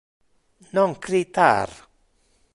Non critar.